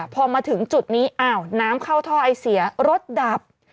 พอมาถึงจุดนี้อ้าวน้ำเข้าท่อไอเสียรถดับ